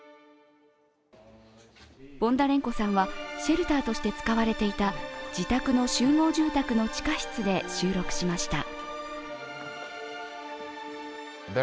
ボンダレンコさんはシェルターとして使われていた自宅の集合住宅の地下室で収録しました。